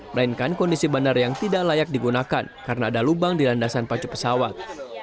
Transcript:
melainkan kondisi bandar yang tidak layak digunakan karena ada lubang di landasan pacu pesawat